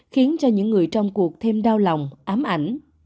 khiến cho những người trong cuộc thêm đau lòng ám ảnh